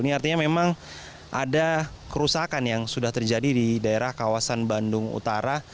ini artinya memang ada kerusakan yang sudah terjadi di daerah kawasan bandung utara